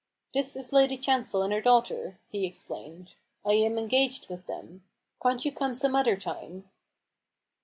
" This is Lady Chancel and her daughter," he explained ;" I am engaged with them. Can't you come some other time?"